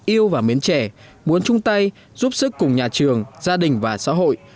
yêu và mến trẻ muốn chung tay giúp sức cùng nhà trường gia đình và xã hội